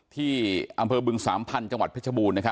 ที่อำเภอบึงสามพันธุ์จังหวัดเพชรบูรณ์